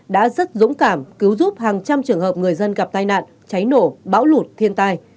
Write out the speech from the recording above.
đã rất dũng cảm cứu giúp hàng trăm trường hợp người dân gặp tai nạn cháy nổ bão lụt thiên tai